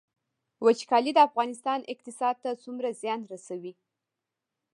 وچکالي د افغانستان اقتصاد ته څومره زیان رسوي؟